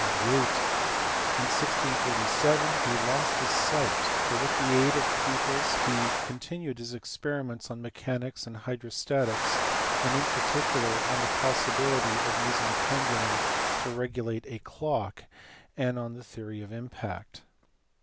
In 1637 he lost his sight, but with the aid of pupils he con tinued his experiments on mechanics and hydrostatics, and in particular on the possibility of using a pendulum to regulate a clock, and on the theory of impact.